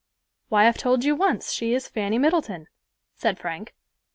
"Why, I've told you once, she is Fanny Middleton," said Frank.